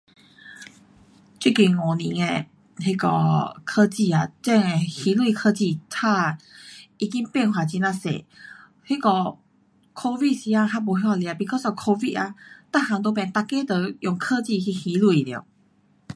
这个五年的那个科技啊，真的还钱科技差已经变化很呀多，那个 covid 时间还没这么多啊，because of covid ah 全部都变，每个都用科技去还钱了。